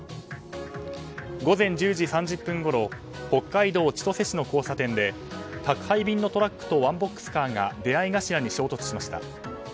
午前１０時３０分ごろ北海道千歳市の交差点で宅配便のトラックとワンボックスカーが出合い頭に衝突しました。